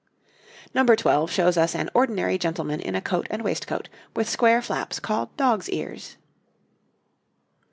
] Number twelve shows us an ordinary gentleman in a coat and waistcoat, with square flaps, called dog's ears.